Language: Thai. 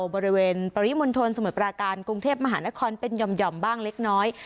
บริเวณปริมณฑลสมุทรปราการกรุงเทพมหานครเป็นหย่อมบ้างเล็กน้อย